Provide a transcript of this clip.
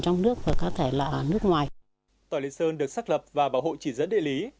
tỏi lý sơn được xác lập và bảo hộ chỉ dẫn địa lý